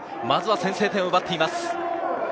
まずは先制点を奪っています。